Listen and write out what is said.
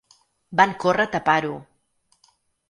Van córrer a tapar-ho!